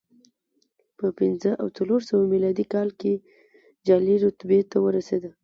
په پنځه او څلور سوه میلادي کال کې جالۍ رتبې ته ورسېد